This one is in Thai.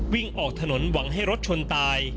วิ่งออกถนนหวังให้รถชนตาย